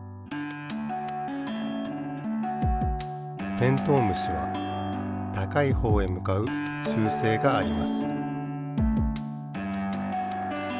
テントウムシはたかいほうへむかうしゅうせいがあります